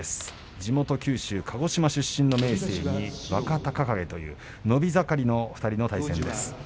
地元九州鹿児島出身の明生、若隆景と伸び盛りの２人の対戦です。